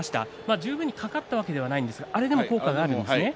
十分に掛かったわけではないんですがあれでも効果があるんですね。